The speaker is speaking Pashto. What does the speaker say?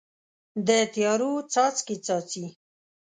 د تیارو څاڅکي، څاڅي